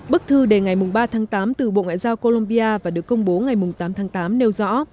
bức thư đề nghị ngày ba tháng tám từ bộ ngoại giao colombia và được công bố ngày tám tháng tám nêu rõ